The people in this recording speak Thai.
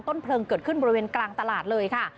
เพลิงเกิดขึ้นบริเวณกลางตลาดเลยค่ะ